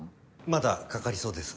まだかかりそうです。